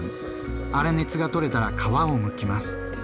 粗熱が取れたら皮をむきます。